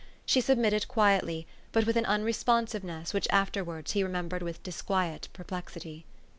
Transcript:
She submitted quietly, but with an unresponsiveness which afterwards he remembered with disquiet per plexity.